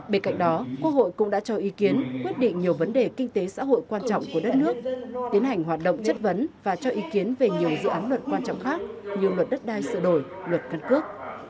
bên cạnh đó quốc hội cũng đã cho ý kiến quyết định nhiều vấn đề kinh tế xã hội quan trọng của đất nước tiến hành hoạt động chất vấn và cho ý kiến về nhiều dự án luật quan trọng khác như luật đất đai sửa đổi luật căn cước